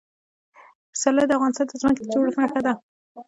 پسرلی د افغانستان د ځمکې د جوړښت نښه ده.